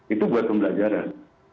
itu buat pembelajaran